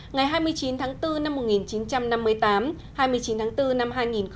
ngày hai mươi chín tháng bốn năm một nghìn chín trăm năm mươi tám hai mươi chín tháng bốn năm hai nghìn một mươi chín